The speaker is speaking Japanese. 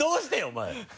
お前。